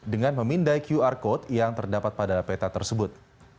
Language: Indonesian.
dengan memindai qr code yang terdapat pada peta tersebut